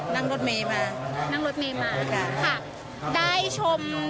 นั่งรถเมย์มานั่งรถเมย์มาจ้ะค่ะได้ชม